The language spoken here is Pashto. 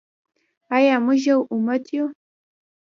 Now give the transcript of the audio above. آیا موږ یو امت یو؟